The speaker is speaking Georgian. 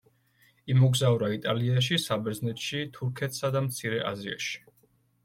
იმოგზაურა იტალიაში, საბერძნეთში, თურქეთსა და მცირე აზიაში.